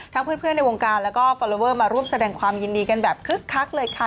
เพื่อนในวงการแล้วก็ฟอลลอเวอร์มาร่วมแสดงความยินดีกันแบบคึกคักเลยค่ะ